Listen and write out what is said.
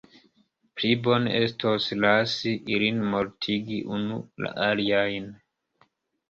Pli bone estos lasi ilin mortigi unu la alian.